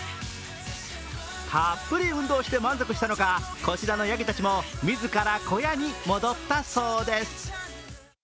たっぷり運動して満足したのかこちらのやぎたちも自ら小屋に戻ったそうです。